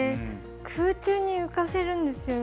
空中に浮かせるんですよ。